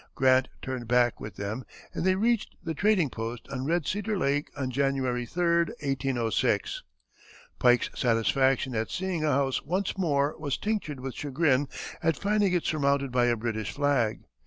Grant turned back with them, and they reached the trading post on Red Cedar Lake on January 3, 1806. Pike's satisfaction at seeing a house once more was tinctured with chagrin at finding it surmounted by a British flag.